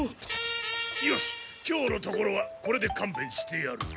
よし今日のところはこれでかんべんしてやる。